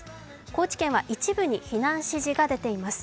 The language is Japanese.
高知県は一部に避難指示が出ています。